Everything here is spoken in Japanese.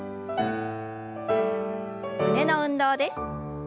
胸の運動です。